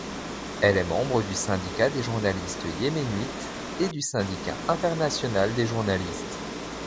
Elle est membre du syndicat des journalistes yéménites et du syndicat international des journalistes.